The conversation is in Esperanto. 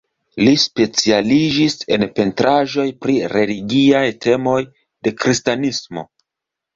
Li specialiĝis en pentraĵoj pri religiaj temoj de kristanismo.